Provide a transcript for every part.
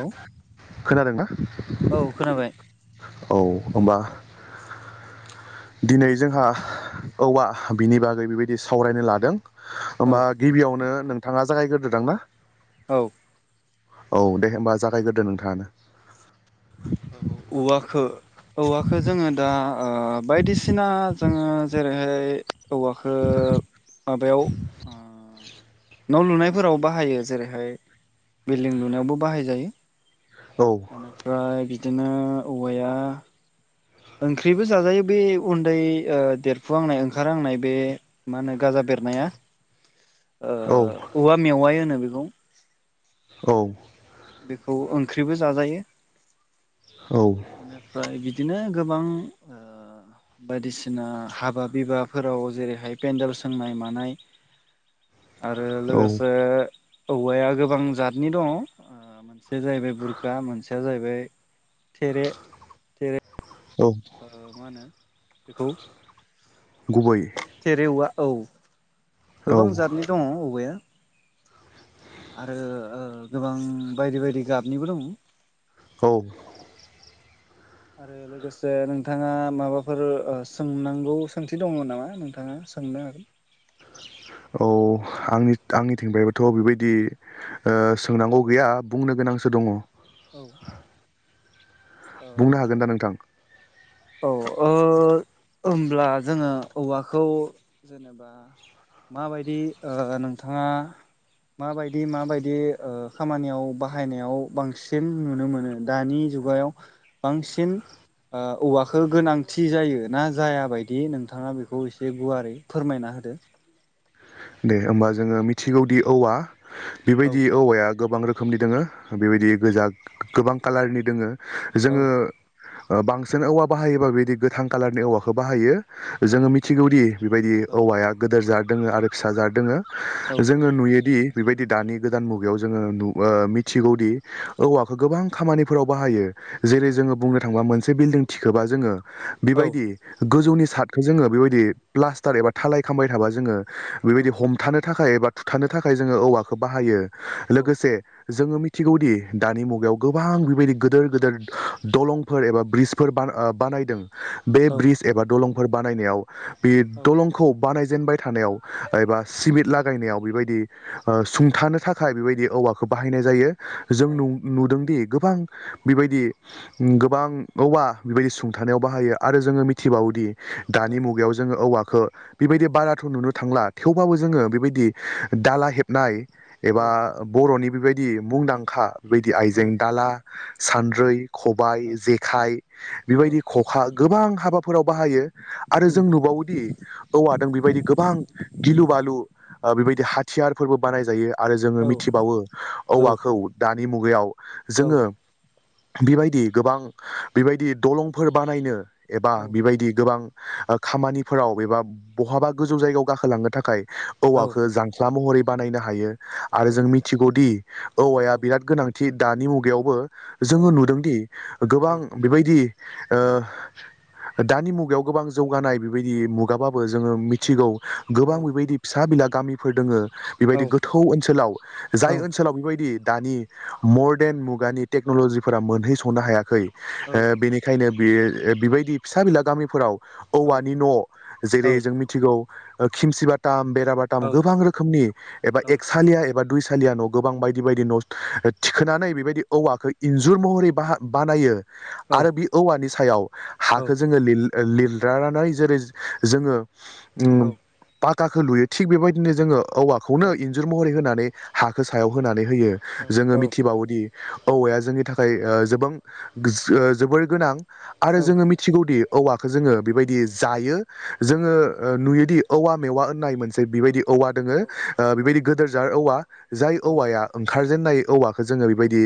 औ खोनादोंना औ खोनाबाय औ। होमबा दिनै जोंहा औवा बिनि बागै बेबायदि सावरायनो लादों। औ होमबा गिबियावनो नोंथाङा जागायग्रोदोदां ना? औ। औ दे होमबा जागायग्रोदो नोंथाङानो। औ औवाखो औवाखो जोङो दा बायदिसिना जोङो जेरैहाय औवाखो माबायाव आ न' लुनायफोराव बाहायो जेरैहाय बिल्डिं लुनायावबो बाहाय जायो। औ बेनिफ्राय बिदिनो औवाया ओंख्रिबो जाजायो बे उन्दै देरफुहांनाय ओंखारहांनाय बे मा होनो गाजा बे बेेरनाया औ ओ औवा मेवाइ होनो बेखौ। औ। बेखौ ओंख्रिबो जाजायो औ बेनिफ्राय बिद दिनो गोबां ओ बायदिसिना हाबा बिबाफोराव जेरैहाय पेन्डेल सोंनाय मानाय आरो औ लोगोसे औवाया गोबां जातनि दङ। ओ मोनसेया जाहैबाय बुरखा मोनसेया जाहैबाय थेरे थेरे औ ओ मा होनो बेखौ? गुबै। थेरे औवा औ औ गोबां जातनि दङ' औवाया। आरो गोबां बायदि बायदि गाबनिबो दङ। औ। आरो लोगोसे नोंथाङा माबाफोर सोंनांगौ सोंथि दङ' नामा नोंथाङा? सोंनो हागोन। औ आंनि आंनिथिंबोथ' बेबायदि ओ सोंनांगौ गैया बुंनो गोनां फंसे दङ। औ। बुंनो ओ हागोनदा नोंथां? औ ओ होमब्ला जोङो औवाखौ जेनेबा माबायदि ओ नोंथाङा माबायदि माबायदि ओ खामानियाव बाहायनायाव बांसिन नुनो मोनो दानि जुगायाव बांसिन ओ औवा खो गोनांथि जायो ना जायाबायदि नोंथाङा बेखौ एसे गुवारै फोरमायना होदो। दे होमबा जोङो मिथिगौदि औवा औ बेबायदि औवाया गोबां रोखोमनि दोङो बेबायदि गोजा गोबां कालारनि दोङो औ जोङो बांसिन औवा बाहायोबा बेदि गोथां कालारनि औवाखौ बाहायो। औ जोङो मिथिगौदि बेबायदि औवाया गेदेर जाद दोङो आरो फिसा जाद दोङो। औ जोङो नुयोदि बेबायदि दानि गोदान मुगायाव जोङो मिथिगौदि औवाखौ गोबां खामानिफोराव बाहायो। जेरै जोङो बुंनो थांबा मोनसे बिल्डिं थिखोबा जोङो औ बेबायदि गोजौनि सारटखौ जोङो बेबायदि प्लास्टार एबा थालाय खामबाय थाबा जोङो बेबायदि हमथानो थाखाय एबा थुथानो थाखाय जोङो औवाखौ बाहायो औ लोगोसे जोङो मिथिगौ दि दानि मुगायाव गोबां बेबायदि गोदेर गोदेर दलंफोर एबा ब्रिजफोर बा ओ बानायदों। बे ब्रिज एबा दलंफोर बानायनायाव बे औ दलंखौ बानायजेनबाय थानायाव एबा सिमेट लागायनायाव बेबायदि ओ सुंथानो थाखाय बेबायदि औवाखौ बाहायनाय जायो। जों औ औ नुदों दि गोबां बेबायदि गोबां औवा बेबायदि सुंथानायाव बाहायो आरो जोङो मिथिबावोदि औ दानि मुगायाव जोङो औवाखो बेबायदि बाराथ' नुनो थांला थेवबाबो जोङो बेबायदि दाला हेबनाय एबा बर'नि बेबायदि मुंदां खा बेबायदि आइजें दाला, सान्द्रै खबाय जेखाइ बेबायदि ख'खा गोबां हाबाफोराव बाहायो। आरो जों नुबावोदि औवादों बेबायदि गोबां गिलु बालु बेबायदि हाथियारफोरबो बानाय जायो। आरो जोङो मिथिबावो औवाखौ दानि मुगायाव जोङो बेबायदि गोबां बेबायदि दलंफोर बानायनो एबा औ बेबायदि गोबां खामानिफोराव एबा बहाबा गोजौ जायगायाव गाखोलांनो थाखाय औ औवाखौ जांख्ला महरै बानायनो हायो। औ आरो जों मिथिगौदि औवाया बिराद गोनांथि दानि मुगायावबो। जोङो नुदोंदि गोबां बेबायदि ओ दानि मुगायाव गोबां जौगानाय बेबायदि मुगाबा जोङो मिथिगौ गोबां बेबायदि फिसा बिला गामिफोर दोङो। बेबायदि गोथौ ओनसोलाव जाय ओनसोलाव बेबायदि दानि मर्देन मुगानि टेक्न'लजिफोरा मोनहैसनो हायाखै ओ बेनिखायनो बेयो बिबायदि फिसा बिला गामिफोराव औवानि न' जेरै जों मिथिगौ खिमसि बाथाम बेरा बाथाम गोबां रोखोमनि एबा एकसालिया ए बा दुइसालिया न' गोबां बायदि बायदि न' थिखोनानै बेबायदि औवाखौ इन्जुर महरै बाहा बानायो। आरो बि औवानि सायाव हाखौ जोङो लिर लिरलानानै जेरै जोङो उम पाकाखौ लुयो थिग बेबायदिनो जोङो औवाखौनो इन्जुर महरै होनानै हाखो सायाव होनानै होयो जोङो मिथिबावोदि औवाया जोंनि थाखाय जोबां ओ जोबोर गोनां आरो जोङो मिथिगौदि औवाखौ जोङो बेबायदि जायो जोङो ओ नुयोदि औवा मेवा होननाय मोनसे बेबायदि औवा दङो बेबायदि गोदोर जाद औवा जाय औवाया ओंखार जेननाय औवाखौ जोङो बेबायदि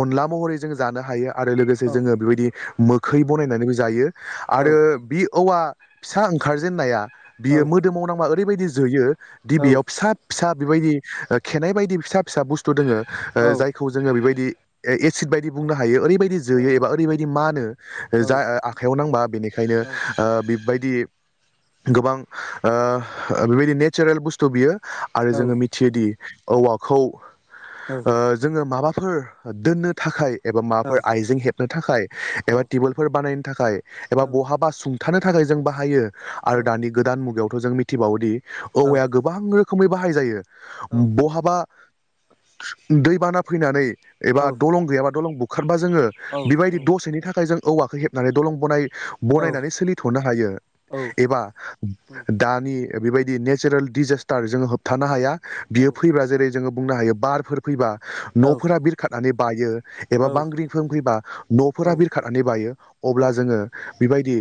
अनला महरै जों जानो हायो आरो लोगोसे औ जोङो बेबायदि मोखै बनायनानैबो जायो औ आरो औ बि औवा फिसा ओंखारजेननाया बियो औवा ओरैबायदि जोयो दि बियाव फिसा फिसा बेबायदि ओ खेनाय बायदि फिसा फिसा बुस्थु दङो ओ जायखौ जोङो बेबायदि ए एसिड बायदि बुंनो हायो ओरैबायदि जोयो एबा ओरैबायदि मानो जा आखायाव नांबा बेनिखायनो बेबायदि गोबां ओ बेबायदि नेचारेल बुस्थु बियो आरो जोङो मिथियोदि औवाखौ ओ जोङो माबाफोर दोननो थाखाय एबा माबाफोर आइजें हेबनो थाखाय एबा टेबोलफोर बानायनो थाखाय एबा बहाबा सुं थानो थाखाय जों बाहायो आरो दानि गोदान मुगायावथ' जों मिथिबावोदि औवाया गोबां रो खोमै बाहाय जायो बहाबा दैबाना फैनानै एबा दलं गैयाबा दलं बुखारबा जोङो बेबायदि दसेनि थाखाय जों औवाखौ हेबनानै दलं बनायो बनायनानै सोलिथ'नो हायो एबा दानि बेबायदि नेचारेल डिजेसटार जोङो होबथानो हाया बियो फैबा जेरै जोङो बुंनो हायो बारफोर फैबा न'फोरा बिरखारनानै बायो एबा बांग्रिफोर फैबा न'फोरा बिरखारनानै बायो अब्ला जोङो बेबायदि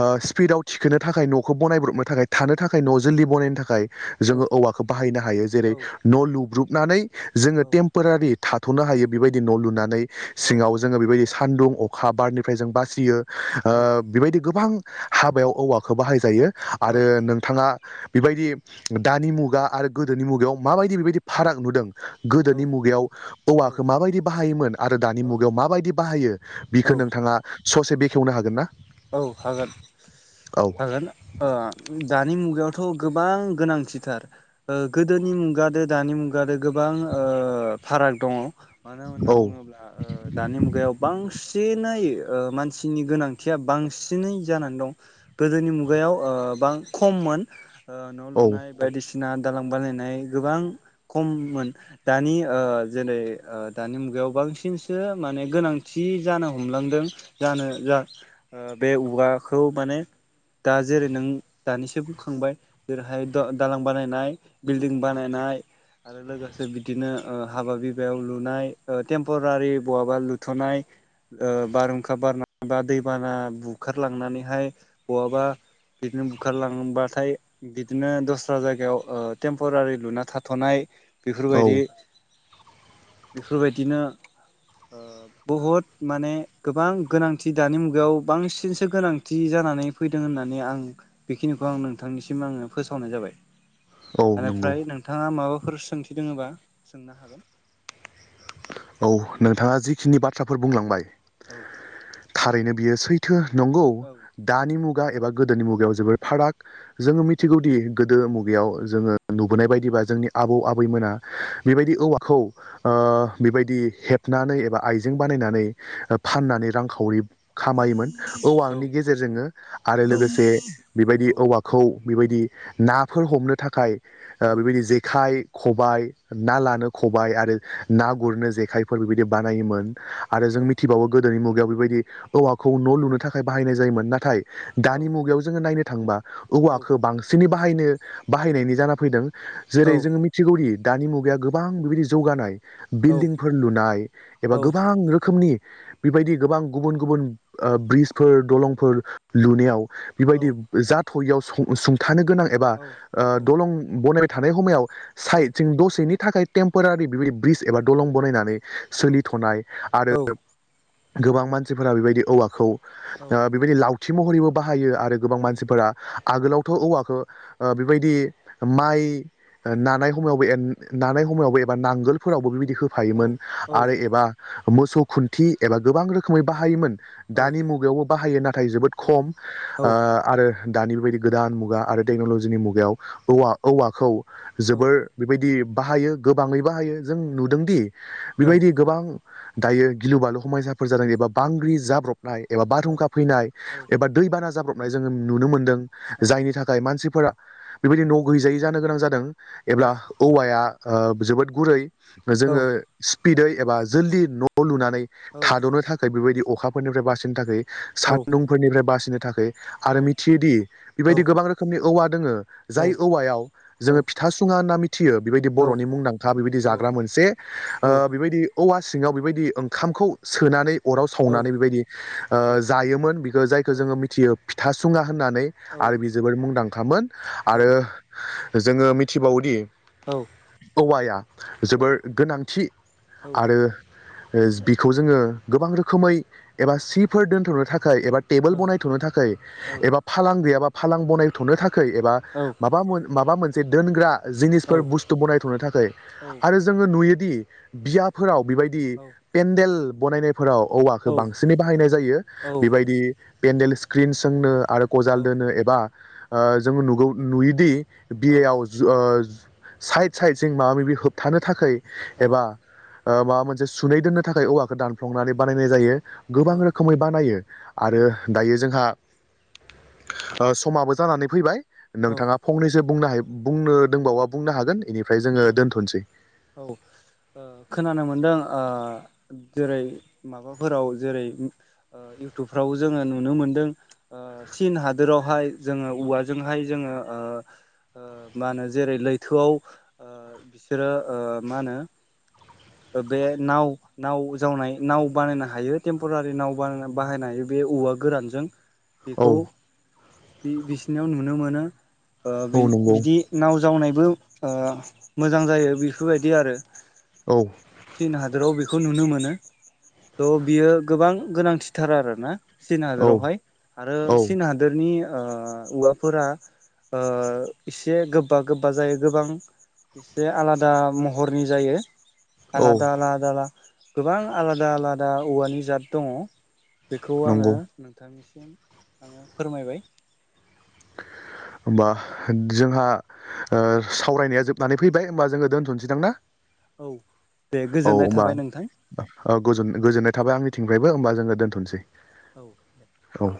ओ स्पिडआव थिखोनो थाखाय न' खौ बनायब्रबनो थाखाय थानो थाखाय न' जलै बानायनो थाखाय जोङो औवाखौ बाहायनो हायो जेरै न' लुब्रुबनानै जोङो टेम्परारि थाथ'नो हायो बेबायदि न' लुनानै सिङाव जोङो बेबायदि सान्दुं अखा बारनिफ्राय जों बासियो ओ बेबायदि गोबां हाबायाव औवाखौ बाहाय जायो आरो नोंथाङा बेबायदि दानि मुगा आरो गोदोनि मुगायाव माबायदि बेबायदि फाराग नुदों गोदोनि मुगायाव औवाखौ माबायदि बाहायोमोन आरो दानि मुगायाव माबायदि बाहायो बिखौ नोंथाङा ससे बेखेवनो हागोन ना औ हागोन औ हागोन ओ दानि मुगायावथ' गोबां गोनांथिथार गोदोनि मुगादो दानि मुगा गोबां ओ फाराग दङ मानो होनना औ बुङोब्ला दानि मुगायाव बांसिनै ओ मानसिनि गोनां थिया बांसिनै जानानै दं गोदोनि मुगायाव ओ बां खममोन न' औ लुनाय बायदिसिना दालां बानायनाय गोबां खममोन दानि जेरै दानि मुगायाव बांसिनसो माने गोनांथि जि जानो हमलांदों जानो जा बे औवाखौ माने दा जेरै नों दानिसो बुंखांबाय जेरैहाय दालां बानायनाय बिल्डिं बानायनाय आरो लोगोसे बिदिनो हाबा बिबायाव लुनाय टेम्परारि बहाबा लुथ'नाय बारहुंखा बार बा दैबाना बुखारलांनानैहाय बहाबा बिदिनो बुखारलांबाथाय बिदिनो दस्रा जायगायाव टेम्परारि लुना थाथ'नाय बेफोरबायदि बेफोरबायदिनो बुहुद माने गोबां गोनांथि दानि मुगा बेयाव बांसिनसो गोनांथि जानानै फैदों होननानै आं बेखिनिखौ आं नोंथांनिसिम आङो फोसाव नाय जाबाय औ नंगौ बेनिफ्राय नोंथाङा माबाफोर सोंथि दोङोबा सोंनो हागोन औ नोंथाङा जिखिनि बाथ्राफोर बुंलांबाय औ थारैनो बियो सैथो नंगौ औ दानि मुग मुगा एबा गोदोनि मुगायाव जोबोद फाराग जोङो मिथिगौदि गोदो मुगायाव जोङो नुबोनाय बायदि बा जोंनि आबौ आबैमोना बेबायदि औवाखौ ओ बेबायदि हेबनानै एबा आइजें बानायनानै फाननानै रांखावरि खामायोमोन औ औवानि गेजेरजोंनो आरो औ लोगोसे बेबायदि औ औवाखौ बेबायदि नाफोर हमनो थाखाय औ बेबायदि जेखाय खबाइ ना लानो खबाइ आरो ना गुरनो जेखाइफोर बेबायदि बानायोमोन आरो जों औ मिथिबावो गोदोनि मुगायाव बेबायदि औवाखौ न' लुनो थाखाय बाहायनाय जायोमोन नाथाय औ दानि मुगायाव जोङो नायनो थांबा औ औवाखौ बांसिनै बाहायनो बाहायनायनि जाना फैदों। औ जेरै जोङो मिथिगौदि दानि मुगाया गोबां बेबायदि जौगानाय औ बिल्डिंफोर लुनाय औ एबा गोबां रोखोमनि बेबायदि गोबां गुबुन गुबुन ब्रिजफोर दलंफोर लुनायाव बेबायदि जा थरियाव सुंथानो गोनां एबा ओ दलं बनायबाय थानाय हमायाव साइदथिं दसेनि थाखाय टेम्परारि बेबायदि ब्रिज एबा दलं बनायनानै सोलिथ'नाय आरो गोबां मानसिफोरा बेबायदि औवाखौ ओ बेबायदि लावथि महरैबो बाहायो आरो गोबां मानसिफोरा आगोलावथ' औवाखौ ओ बेबायदि माइ ओ नानाय हमायावबो एन नानाय हमायावबो एबा नांगोल फोरावबो बेबायदि होफायोमोन आरो एबा मोसौ खुन्थि एबा गोबां रोखोमै बाहायोमोन दानि मुगायावबो बाहायो नाथाय जोबोद खम ओ आरो दानि बेबायदि गोदान मुगा आरो टेक्न'लजिनि मुगायाव औवा औवाखौ जोबोर बेबायदि बाहायो गोबाङै बाहायो जों नुदोंदि बेबायदि गोबां दायो गिलु बालु हमायसाफोर जादों एबा बांग्रि जाब्रब एबा बारहुंखा फैनाय एबा दै बाना जाब्रबनाय जोङो नुनो मोनदों जायनि थाखाय मानसि फोरा बेबायदि न' गैजायै जानो गोनां जादों एब्ला औवाया ओ जोबोद गुरै जोङो स्पिदै एबा जल्दि न' लुनानै थाद'नो थाखाय बेबायदि अखाफोरनिफ्राय बासिनो थाखाय सान्दुंफोरनिफ्राय बासिनो थाखोय आरो औ मिथियोदि औ बेबायदि गोबां रोखोमनि औवा दोङो औ जाय औवायाव जोङो फिथा सुङा होनना मिथियो बेबायदि बर'नि मुंदांखा बेबायदि जाग मोनसे ओ बेबायदि औवा सिङाव बेबायदि ओंखामखौ सोनानै अराव सावनानै बेबायदि ओ जायोमोन बिखौ जायखौ जोङो मिथियो फिथासुङा होननानै आरो बि जोबोद मुंदांखामोन आरो जोङो मिथिबावोदि औ औवाया जोबोर गोनांथि आरो बिखौ जोङो गोबां रोखोमै एबा सिफोर दोनथ'नो थाख खाय एबा टेबोल बनायथ'नो थाखाय एबा फालां गैयाबा फालां बनायथ'नो थाख खै एबा माबा मुन माबा मोनसे दोनग्रा जिनिसफोर बुस्थु बनायथ'नो थाखै आरो जोङो नुयोदि बियाफोराव बेबायदि पेन्देल बनायनाय फोराव औवाखौ बांसिनै बाहायनाय जायो। बेबायदि पेन्डेल स्क्रिन सोंनो आरो गजाल दोनो एबा ओ जोंङो नुगौ नुयोदि औ औ बियायाव ज ओ साइड साइडजों माबा माबि होबथानो थाखै एबा ओ माबा मोनसे सुनै दोननो थाखाय औवाखौ दानफ्लंनानै बानायनाय जायो। गोबां रोखोमै बानायो आरो दायो जोंहा ओ समाबो जानानै फैबाय नोंथाङा फंनैसो बुंनोहाय बुंनो दोंबावबा बुंनो हागोन इनिफ्राय जोङो दोन औ ओ खोनानो मोनदों ओ जेरै माबाफोराव जेरै इउटुबफ्राव जोङो नुनो मोनदों सिन हादोरावहाय जोङो औवाजोंहाय जोङो ओ ओ मा होनो जेरै लैथोआव ओ बिसोरो ओ मा होनो बे नाव नाव जावनाय नाव बानायनो हायो टेम्प'रारि नाव बानायना बाहायनो हायो बे औवा गोरानजों। औ बिखौ बि-बिसिनाव नुनो मोनो ओ औ नंगौ बि-बिदि नाव जावनायबो ओ मोजां जायो बेफोरबायदि आरो। औ। सिन हादोराव बेखौ नुनो मोनो त' बियो गोबां गोनांथिथार आरोना सिन औ हादोरावहाय आरो औ सिन हादोरनि ओ उवाफोरा ओ इसे गोब्बा गोब्बा जायो गोबां एसे आलादा महरनि जायो। औ आलादा आलादा गोबां आलादा आलादा औवानि जात दङ। बेखौ आङो नंगौ नोंथांनिसिम आङो फोरमायबाय। होमबा जोंहा ओ सावरायनाया जोबनानै फैबाय होमबा जोङो दोनथ'नोसैदां ना? औ दे औ गोजोननाय होमबा थाबाय नोंथां ओ गोजोन-गोजोननाय थाबाय आंनिथिंफ्रायबो होमबा जोङो दोनथ'नोसै। औ दे। औ